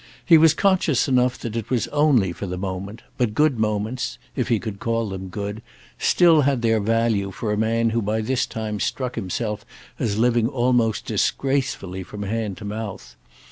He was conscious enough that it was only for the moment, but good moments—if he could call them good—still had their value for a man who by this time struck himself as living almost disgracefully from hand to mouth.